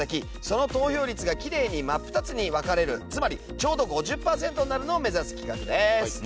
その投票率がきれいに真っ二つに分かれるつまりちょうど５０パーセントになるのを目指す企画です。